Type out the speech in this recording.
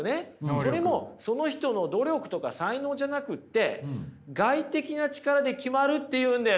それもその人の努力とか才能じゃなくって外的な力で決まるって言うんです。